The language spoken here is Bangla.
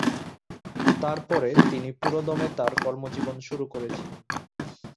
তারপরে তিনি পুরোদমে তাঁর কর্মজীবন শুরু করেছিলেন।